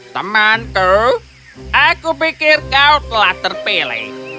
temanku aku pikir kau telah terpilih